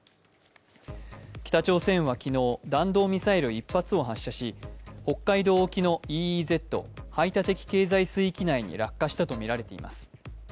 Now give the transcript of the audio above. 北朝鮮は昨日、弾道ミサイル１発を発射し、北海道沖のＥＥＺ＝排他的経済水域内に落下したとみられています。